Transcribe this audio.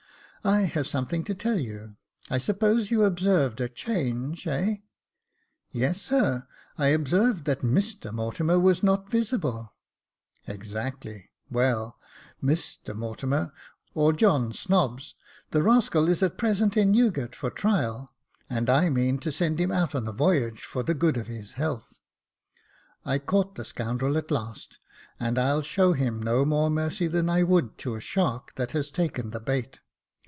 I have something to tell you. I suppose you observed a change — heh ?"*' Yes, sir; I observed that Mr Mortimer was not visible." " Exactly. Well, Mr Mortimer, or John Snobbs, the rascal is at present in Newgate for trial ; and I mean to send him out on a voyage for the good of his health. I caught the scoundrel at last, and I'll show him no more mercy than I would to a shark that has taken the bait.